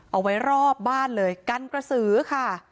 เอาไว้รอบบ้านเลยกันกระสือค่ะ